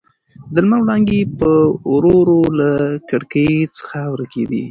د لمر وړانګې په ورو ورو له کړکۍ څخه ورکېدې.